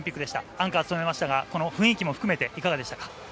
アンカー務めましたが、この雰囲気も含めて、いかがでしたか。